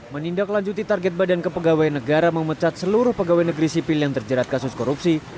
menindaklanjuti target bkn memecat seluruh pegawai negeri sipil yang terjerat kasus korupsi